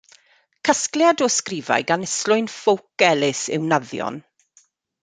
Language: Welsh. Casgliad o ysgrifau gan Islwyn Ffowc Elis yw Naddion.